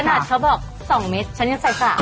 ภาษาแบบ๒เม็ดฉันอยากใส่สาม